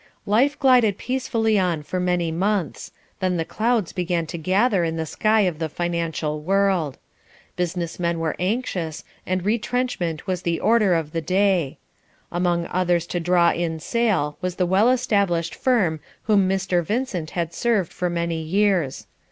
Life glided peacefully on for many months, then the clouds began to gather in the sky of the financial world. Business men were anxious, and retrenchment was the order of the day. Among others to draw in sail was the well established firm whom Mr. Vincent had served for many years.